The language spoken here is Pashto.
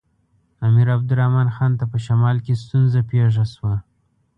امیر عبدالرحمن خان ته په شمال کې ستونزه پېښه شوه.